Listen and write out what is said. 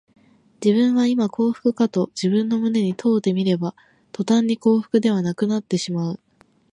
自分はいま幸福かと自分の胸に問うてみれば、とたんに幸福ではなくなってしまう